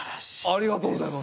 ありがとうございます。